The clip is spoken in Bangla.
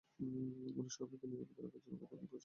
আমরা সবাইকে নিরাপদে রাখার জন্য কতোই না পরিশ্রম করেছি!